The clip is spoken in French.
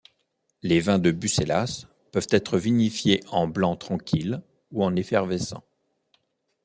Les vins de Bucelas peuvent être vinifiés en blanc tranquille ou en effervescent.